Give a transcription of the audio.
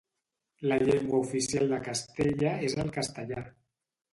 La llengua oficial de Castella és el castellà.